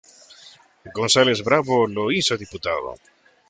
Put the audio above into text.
González Bravo lo hizo diputado.